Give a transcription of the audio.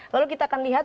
lalu kita akan lihat